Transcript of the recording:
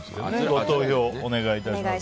ご投票、お願いします。